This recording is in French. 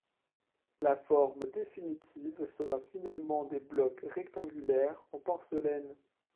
La forme définitive sera finalement des blocs rectangulaires en porcelaine.